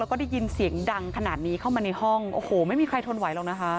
แล้วก็ได้ยินเสียงดังขนาดนี้เข้ามาในห้องโอ้โหไม่มีใครทนไหวหรอกนะคะ